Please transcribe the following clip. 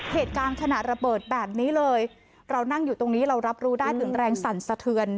เหตุการณ์ขณะระเบิดแบบนี้เลยเรานั่งอยู่ตรงนี้เรารับรู้ได้ถึงแรงสั่นสะเทือน